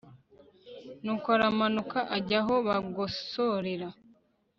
nuko aramanuka ajya aho bagosorera